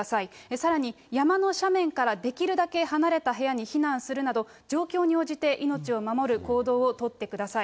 さらに、山の斜面からできるだけ離れた部屋に避難するなど、状況に応じて命を守る行動を取ってください。